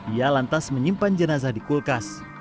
ia lantas menyimpan jenazah di kulkas